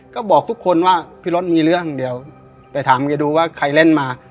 ก็บอกทุกคนว่าพี่รถมีเรื่องเดี๋ยวไปถามแกดูว่าใครเล่นมา